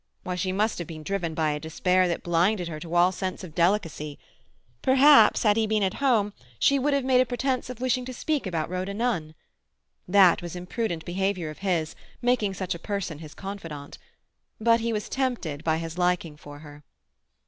Why, she must have been driven by a despair that blinded her to all sense of delicacy! Perhaps, had he been at home, she would have made a pretence of wishing to speak about Rhoda Nunn. That was imprudent behaviour of his, making such a person his confidante. But he was tempted by his liking for her.